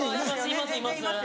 いますいます。